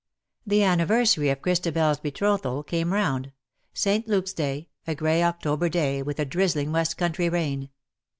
''^ The anniversary of ChristabePs betrothal came round, St. Luke^s Day — ^a grey October day — with a drizzling West country rain.